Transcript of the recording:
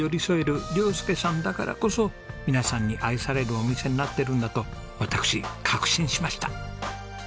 亮佑さんだからこそ皆さんに愛されるお店になってるんだと私確信しました。